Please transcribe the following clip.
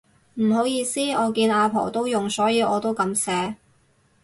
唔好意思，我見阿婆都用所以我都噉寫